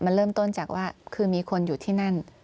มันเริ่มต้นจากว่าคือมีคนอยู่ที่นั่น